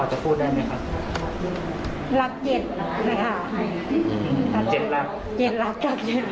๗หลัก